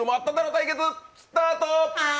対決スタート。